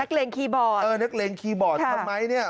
นักเรียนคีย์บอร์ดเออนักเรียนคีย์บอร์ดทำไมเนี่ย